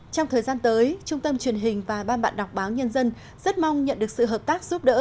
trong thời gian tới trung tâm truyền hình và ban bạn đọc báo nhân dân rất mong nhận được sự hợp tác giúp đỡ